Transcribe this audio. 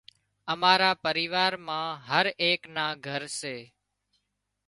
امارا پريوار مان هرايڪ نا گھر سي